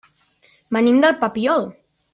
Venim del Papiol.